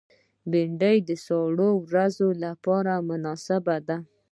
بېنډۍ د سړو ورځو لپاره مناسبه ده